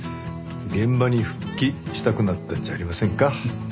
現場に復帰したくなったんじゃありませんか？